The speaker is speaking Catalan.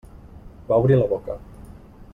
Va obrir la boca.